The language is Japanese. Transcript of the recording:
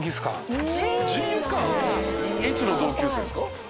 いつの同級生ですか？